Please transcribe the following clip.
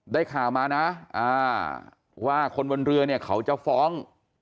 ได้ข่าวมานะว่าคนบนเรือเนี่ยเขาจะฟ้อง